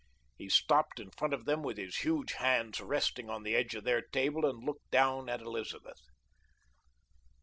He stopped in front of them with his huge hands resting on the edge of their table and looked down at Elizabeth.